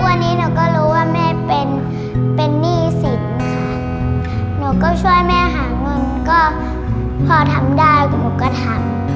วันนี้หนูก็รู้ว่าแม่เป็นเป็นหนี้สินค่ะหนูก็ช่วยแม่หาเงินก็พอทำได้หนูก็ทำ